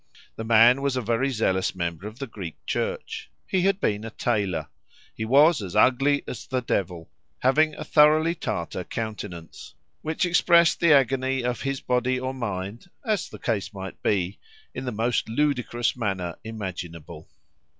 The man was a very zealous member of the Greek Church. He had been a tailor. He was as ugly as the devil, having a thoroughly Tatar countenance, which expressed the agony of his body or mind, as the case might be, in the most ludicrous manner imaginable.